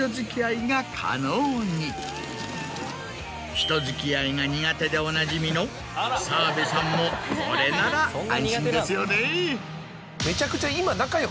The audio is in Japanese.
人付き合いが苦手でおなじみの澤部さんもこれなら安心ですよね。